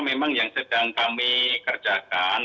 memang yang sedang kami kerjakan